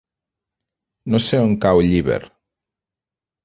No sé on cau Llíber.